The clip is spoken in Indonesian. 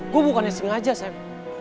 gue bukannya sengaja sam